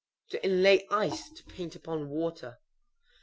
_ To inlay ice; to paint upon water.